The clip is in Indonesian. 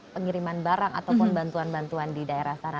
pengiriman barang ataupun bantuan bantuan di daerah sana